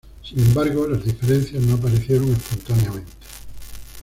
Sin embargo, las diferencias no aparecieron espontáneamente.